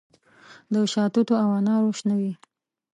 د شاتوتو او انارو شنه وي